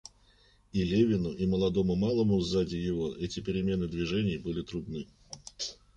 И Левину и молодому малому сзади его эти перемены движений были трудны.